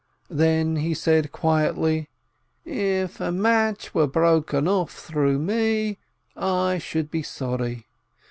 Then he said quietly: "If a match were broken off through me, I should be sorry.